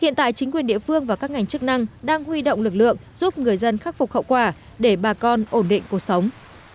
hiện tại chính quyền địa phương và các ngành chức năng đang huy động lực lượng giúp người dân khắc phục hậu quả để bà con ổn định cuộc sống